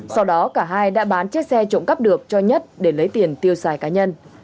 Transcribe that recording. sau đó cả hai đã bán chiếc xe trộm cắp được cho nhất để lấy tiền tiêu xài cá nhân